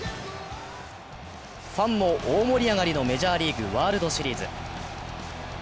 ファンも大盛り上がりのメジャーリーグ・ワールドシリーズ。